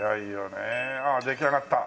あっ出来上がった。